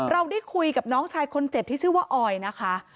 เราได้คุยกับน้องชายคนเจ็บที่ชื่อว่าออยนะคะ